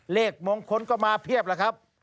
เลขมงคลก็มาเพียบแล้วครับ